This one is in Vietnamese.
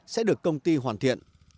sẽ được công ty hoàn thiện